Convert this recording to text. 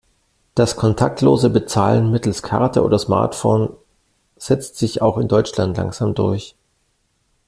Das kontaktlose Bezahlen mittels Karte oder Smartphone setzt sich auch in Deutschland langsam durch.